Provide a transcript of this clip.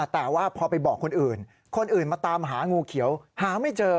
แต่ว่าพอไปบอกคนอื่นคนอื่นมาตามหางูเขียวหาไม่เจอ